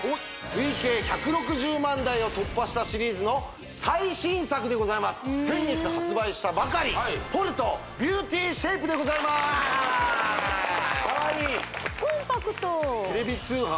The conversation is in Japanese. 累計１６０万台を突破したシリーズの最新作でございます先月発売したばかりポルトビューティーシェイプでございますかわいいコンパクトテレビ通販